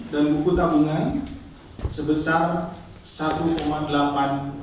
dan buku tabungan sebesar rp satu delapan ratus